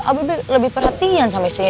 abah lebih perhatian sama istrinya